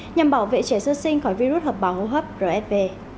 nhằm bảo vệ trẻ sơ sinh khỏi virus hợp bào hô hấp rsp